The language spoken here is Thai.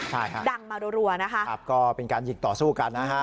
ใช่ครับดังมารัวนะคะครับก็เป็นการหยิกต่อสู้กันนะฮะ